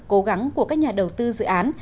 cố gắng của các nhà đầu tư dự án